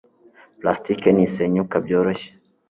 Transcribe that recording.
plastike ntisenyuka byoroshye